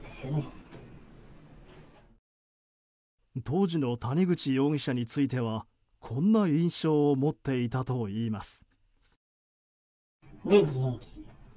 当時の谷口容疑者についてはこんな印象を持っていたといいます。